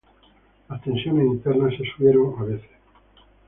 Las tensiones internas se subieron a veces.